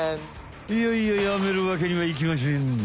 いやいややめるわけにはいきましぇん。